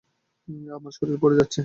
আমার শরীর পুড়ে যাচ্ছে।